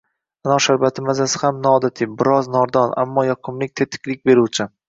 Anor sharbati mazasi ham noodatiy, bir oz nordon, ammo yoqimli, tetiklik beruvchi.